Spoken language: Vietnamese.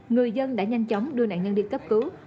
người dân đã nhanh chóng đưa nạn nhân đi cấp cứu